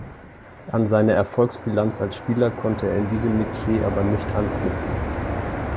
An seine Erfolgsbilanz als Spieler konnte er in diesem Metier aber nicht anknüpfen.